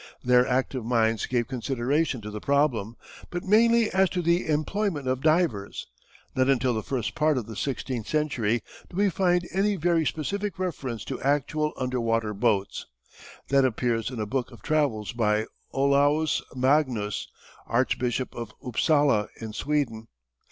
Their active minds gave consideration to the problem, but mainly as to the employment of divers. Not until the first part of the sixteenth century do we find any very specific reference to actual underwater boats. That appears in a book of travels by Olaus Magnus, Archbishop of Upsala in Sweden.